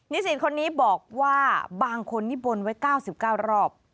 สินคนนี้บอกว่าบางคนนิบนไว้๙๙รอบ